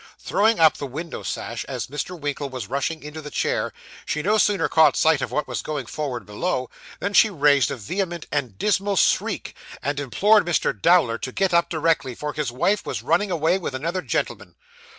Throwing up the window sash as Mr. Winkle was rushing into the chair, she no sooner caught sight of what was going forward below, than she raised a vehement and dismal shriek, and implored Mr. Dowler to get up directly, for his wife was running away with another gentleman.